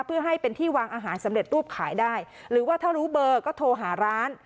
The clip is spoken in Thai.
เพื่อให้เป็นที่วางอาหารสำเร็จรูปขายได้หรือว่าถ้ารู้เบอร์ก็โทรหาร้าน